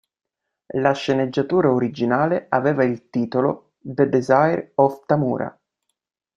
La sceneggiatura originale aveva il titolo "The Desire of Tamura".